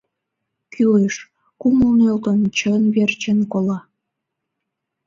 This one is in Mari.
Кӱлеш — кумыл нӧлтын, чын верчын кола.